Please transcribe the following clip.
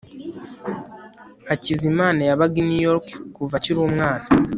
hakizimana yabaga i new york kuva akiri umwana